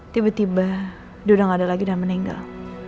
tiba tiba dia udah nggak ada lagi dan meninggal